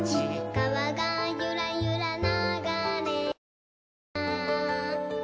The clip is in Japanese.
「かわがゆらゆらながれたら」